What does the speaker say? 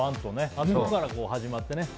あそこから始まってね。